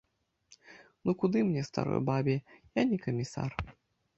Ну, куды мне, старой бабе, я не камісар.